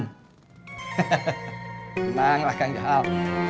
tenanglah kang jahal